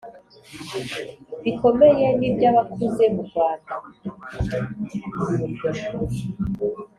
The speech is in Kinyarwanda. bikomeye ni iby abakuze murwanda